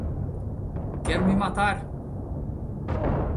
Quero me matar!